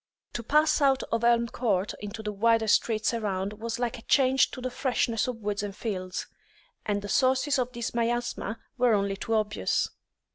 To pass out of Elm Court into the wider streets around was like a change to the freshness of woods and fields. And the sources of this miasma were only too obvious.